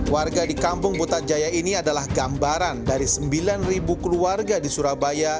warga di kampung butajaya ini adalah gambaran dari sembilan keluarga di surabaya